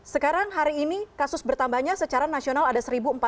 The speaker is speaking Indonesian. sekarang hari ini kasus bertambahnya secara nasional ada satu empat ratus